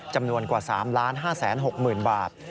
จำนวนกว่า๓๕๖๐๐๐บาท